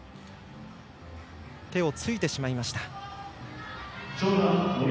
手をついてしまいました。